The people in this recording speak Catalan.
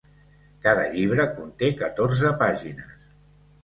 Cada llibre conté catorze pàgines.